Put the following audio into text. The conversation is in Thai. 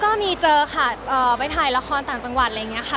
ก็มีเจอค่ะไปถ่ายละครต่างจังหวัดอะไรอย่างนี้ค่ะ